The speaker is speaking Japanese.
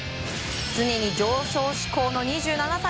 常に上昇志向の２７歳。